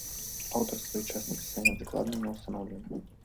Аўтарства і час напісання дакладна не ўстаноўлены.